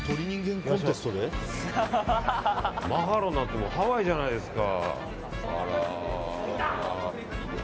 マハロなんてハワイじゃないですか。